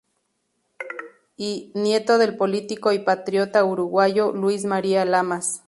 Y, nieto del político y patriota uruguayo Luis María Lamas.